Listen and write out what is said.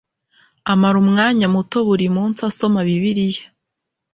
amara umwanya muto buri munsi asoma bibiliya